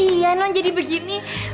iya non jadi begini